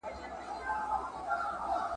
هم د کور غل دی هم دروغجن دی ,